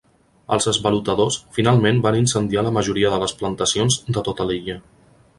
Els esvalotadors finalment van incendiar la majoria de les plantacions de tota l'illa.